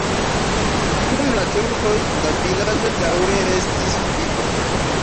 Dum la turkoj la vilaĝo daŭre restis viva.